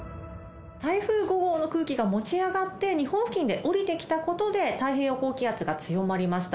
台風５号の空気が持ち上がって、日本付近で下りてきたことで、太平洋高気圧が強まりました。